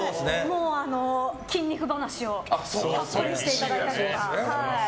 筋肉話をたっぷりしていただいたりとか。